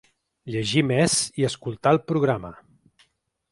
Llegir més i escoltar el programa….